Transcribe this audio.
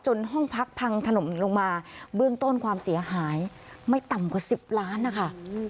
ห้องพักพังถล่มลงมาเบื้องต้นความเสียหายไม่ต่ำกว่า๑๐ล้านนะคะ